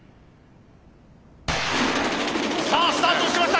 さあスタートしました！